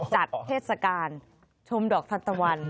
เทศกาลชมดอกทันตะวัน